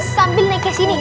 sambil naik ke sini